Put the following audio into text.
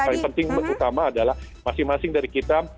dan ketiga paling penting dan utama adalah masing masing dari kita